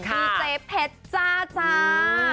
พี่เจ๊เพชจ้าจ้า